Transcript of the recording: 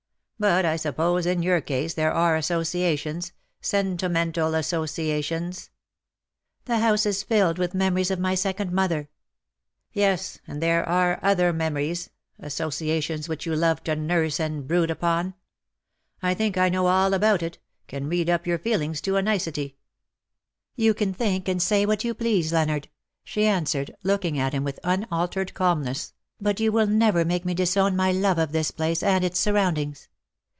But I suppose in your case there are associations — sentimental associations." " The house is filled with memories of my second mother V^ " Yes — and there are other memories — associa tions which you love to nurse and brood upon. I think I know all about it — can read up your feelings to a nicety." 168 '^AND PALE FROM THE PAST '"' You can think and say what you please, Leonard/'' she answered, looking at him with un altered calmness, " but you will never make me disown my love of this place, and its surroundings.